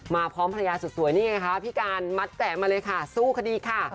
พร้อมภรรยาสุดสวยนี่ไงคะพี่การมัดแตะมาเลยค่ะสู้คดีค่ะ